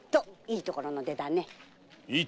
いいところの出？